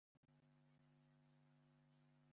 Kujya muri Maur kugera hagati